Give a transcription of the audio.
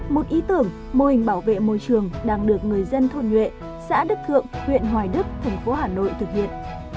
một ý tưởng mô hình bảo vệ môi trường đang được người dân thôn nhuệ xã đức thượng huyện hoài đức thành phố hà nội thực hiện